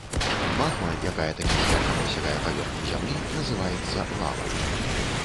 Магма, якая такім шляхам дасягае паверхні зямлі, называецца лавай.